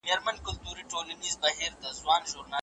کورني تولیدات باید د بازار سره سیالي وکړي.